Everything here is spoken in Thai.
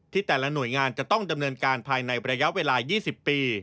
แต่ละหน่วยงานจะต้องดำเนินการภายในระยะเวลา๒๐ปี